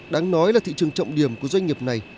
đáng nói là thị trường trọng điểm của doanh nghiệp này